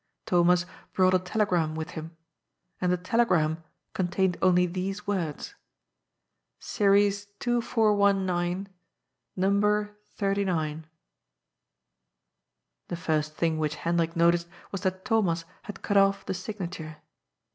Thomas brought a tele gram with him. And the telegram contained only these words: "Series 2,419. No. 39." The first thing which Hendrik noticed was that Thomas had cut off the signature.